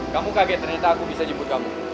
kamu kaget ternyata aku bisa jemput kamu